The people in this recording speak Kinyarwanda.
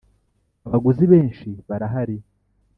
abaguzi benshi barahari.